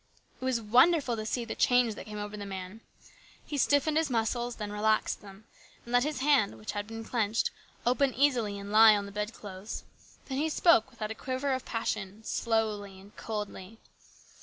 It was wonderful to see the change that came over the man. He stiffened his muscles, then relaxed them and let his hand, which had been clenched, open easily and lie on the bedclothes. Then he spoke without a quiver of passion, slowly and coldly.